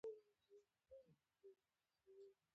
مېوې د افغانستان د جغرافیې یوه خورا غوره او ښه بېلګه ده.